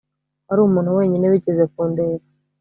Wari umuntu wenyine wigeze kundeba